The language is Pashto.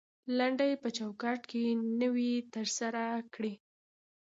د لنډۍ په چوکات کې نوى تر سره کړى.